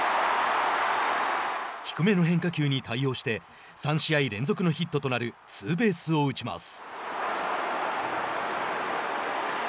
低めの変化球に対応して３試合連続のヒットとなるツーベースを打ちます。